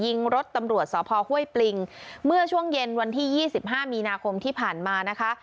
ยิงรถตำรวจสพห้วยปริงเมื่อช่วงเย็นวันที่ยี่สิบห้ามีนาคมที่ผ่านมานะคะ